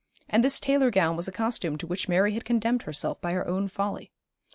And this tailor gown was a costume to which Mary had condemned herself by her own folly.